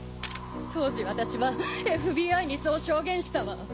当時私はＦＢＩにそう証言したわ。